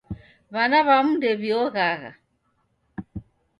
W'ana w'amu ndew'ioghagha